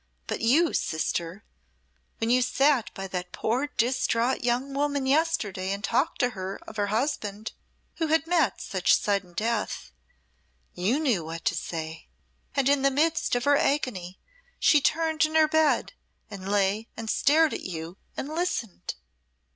But you, sister when you sate by that poor distraught young woman yesterday and talked to her of her husband who had met such sudden death you knew what to say, and in the midst of her agony she turned in her bed and lay and stared at you and listened."